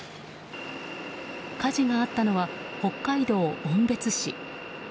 火事があったのは北海道紋別市。